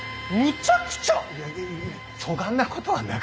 いやそがんなことはなか。